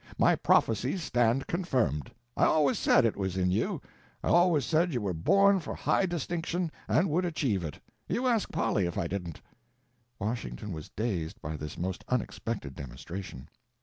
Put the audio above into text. My prophecies stand confirmed. I always said it was in you. I always said you were born for high distinction and would achieve it. You ask Polly if I didn't." Washington was dazed by this most unexpected demonstration.